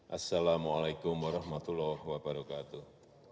assalamu'alaikum warahmatullahi wabarakatuh